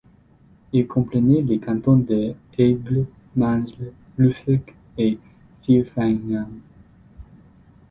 Il comprenait les cantons de Aigre, Mansle, Ruffec et Villefagnan.